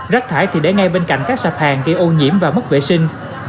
rác thải thì để ngay bên cạnh các sạp hàng gây ô nhiễm và mất vệ sinh